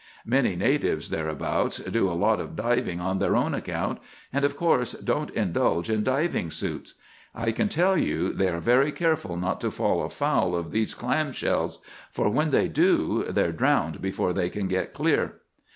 Many natives thereabouts do a lot of diving on their own account, and, of course, don't indulge in diving suits. I can tell you, they are very careful not to fall afoul of those clam shells; for when they do they're drowned before they can get clear.